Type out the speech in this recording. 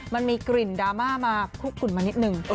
มันมีกลิ่นดราม่ามาคุกกลุ่นมานิดนึง